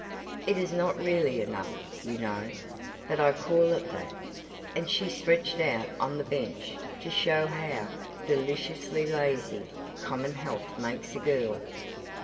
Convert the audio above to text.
It is not really enough, you know, but I call it that," and she stretched out on the bench to show how "deliciously lazy" common health makes a girl.